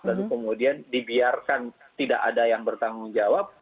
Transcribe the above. lalu kemudian dibiarkan tidak ada yang bertanggung jawab